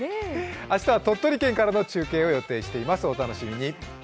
明日は鳥取県からの中継を予定しています。